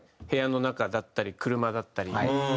部屋の中だったり車だったり。